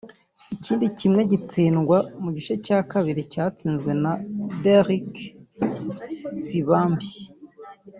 Ikindi kimwe gitsindwa mu gice cya kabiri cyatsinzwe na Derrick Nsibambi